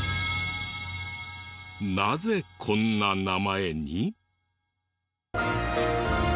なぜこんな名前に？